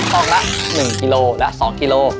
ฟองละ๑กิโลและ๒กิโล